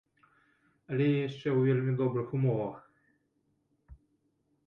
Але я яшчэ ў вельмі добрых умовах.